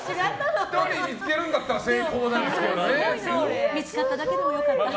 １人見つけるんだったら成功なんですけどね。